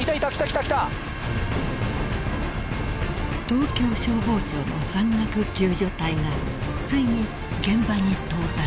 ［東京消防庁の山岳救助隊がついに現場に到達］